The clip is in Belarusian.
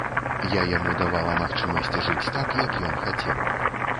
Я яму давала магчымасць жыць так, як ён хацеў.